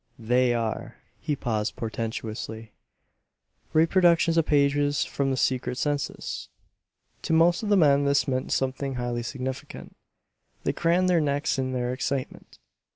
"They are" he paused portentously "reproductions of pages from the secret census!" To most of the men this meant something highly significant. They cranned their necks in their excitement.